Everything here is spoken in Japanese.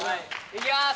いきます！